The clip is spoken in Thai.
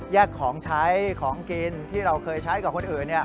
ของใช้ของกินที่เราเคยใช้กับคนอื่น